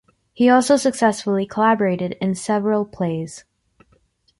He also successfully collaborated in several plays.